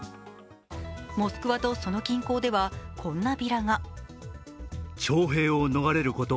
モスクワとその近郊ではこんなビラが。